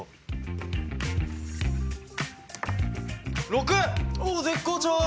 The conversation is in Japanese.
６！おお絶好調！